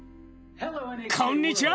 こんにちは！